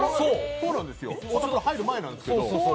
僕たちが入る前なんですけど。